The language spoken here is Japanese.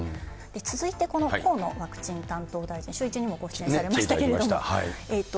続いてこの河野ワクチン担当大臣、シューイチにもご出演されました来ていただきました。